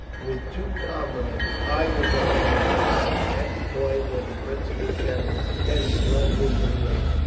With two comrades I was on watch at the point where the principal channel hence runs into the river.